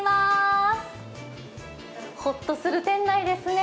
ホッとする店内ですね。